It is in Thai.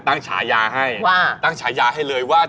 ตั้งฉายาให้ตั้งฉายาให้เลยว่า